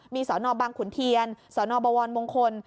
มีสนบางขุนเทียนสนบวรมงคล